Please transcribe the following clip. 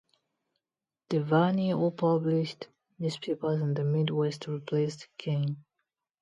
DeVany, who published newspapers in the Midwest, replaced Cain.